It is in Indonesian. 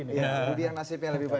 budi yang nasibnya lebih baik